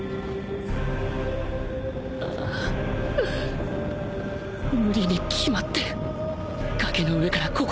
ああ無理に決まってる崖の上からここまでなんて